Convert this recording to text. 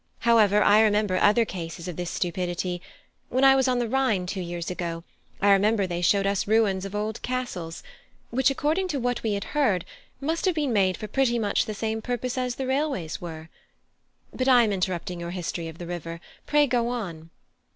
However, I remember other cases of this stupidity: when I was on the Rhine two years ago, I remember they showed us ruins of old castles, which, according to what we heard, must have been made for pretty much the same purpose as the railways were. But I am interrupting your history of the river: pray go on."